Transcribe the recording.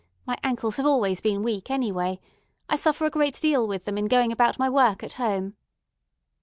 My ankles have always been weak, anyway. I suffer a great deal with them in going about my work at home."